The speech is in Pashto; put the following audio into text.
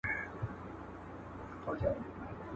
ډبره د يتيم د سره نه چپېږى.